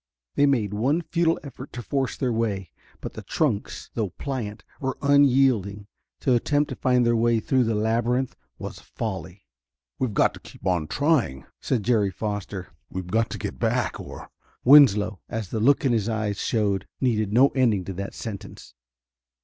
They made one futile effort to force their way, but the trunks, though pliant, were unyielding. To attempt to find their way through the labyrinth was folly. "We've got to keep on trying," said Jerry Foster. "We've got to get back, or...." Winslow, as the look in his eyes showed, needed no ending to that sentence.